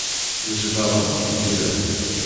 Necdeɣ-d akk lǧiran.